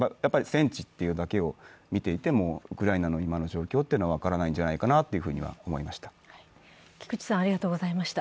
戦地というだけを見ていてもウクライナの今の状況は分からないんじゃないかなと思いました。